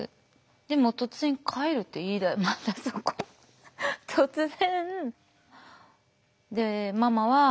でも突然帰るって言いだまたそこで突然。